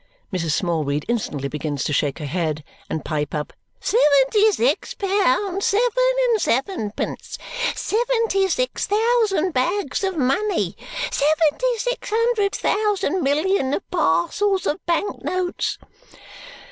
Mrs. Smallweed instantly begins to shake her head and pipe up, "Seventy six pound seven and sevenpence! Seventy six thousand bags of money! Seventy six hundred thousand million of parcels of bank notes!"